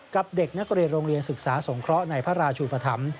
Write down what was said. กับเด็กนักเรียนโรงเรียนศึกษาสงเคราะห์ในพระราชุปธรรม